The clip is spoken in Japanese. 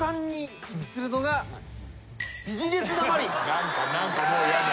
何か何かもうやだ。